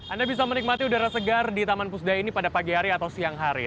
anda bisa menikmati udara segar di taman pusdaya ini pada pagi hari atau siang hari